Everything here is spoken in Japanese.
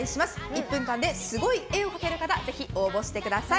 １分間ですごい絵を描ける方ぜひ応募してください。